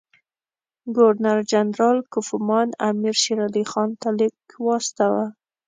ګورنر جنرال کوفمان امیر شېرعلي خان ته لیک واستاوه.